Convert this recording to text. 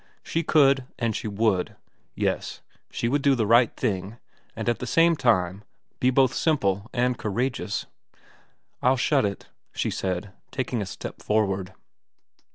She could and she would ; yes, she would do the right thing, and at the same time be both simple and courageous. ' I'll shut it,' she said, taking a step forward.